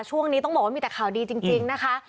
ช่วงนี้ต้องบอกว่ามีแต่ข่าวดีจริงนะคะ